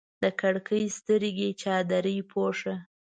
د کړکۍ سترګې چادرې پوښه